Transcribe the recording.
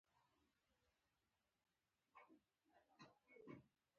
هلته مو په هوټل کې د څاښت ډوډۍ وخوړله.